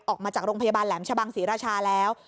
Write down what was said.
ออกมาจากโรงพยาบาลแหลมชะบังศรีราชาแล้ว